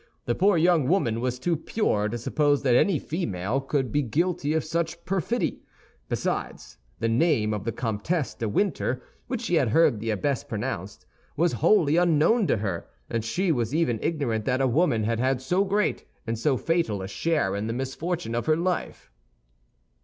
The poor young woman was too pure to suppose that any female could be guilty of such perfidy; besides, the name of the Comtesse de Winter, which she had heard the abbess pronounce, was wholly unknown to her, and she was even ignorant that a woman had had so great and so fatal a share in the misfortune of her life.